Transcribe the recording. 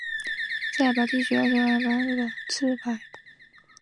在海拔的地方主要是白欧石楠和刺柏。